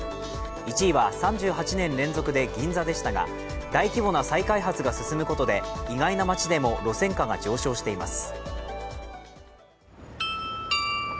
１位は３８年連続で銀座でしたが大規模な再開発が進むことで意外な街でも路線価が上昇しています。